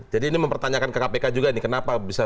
jadi ini mempertanyakan ke kpk juga kenapa bisa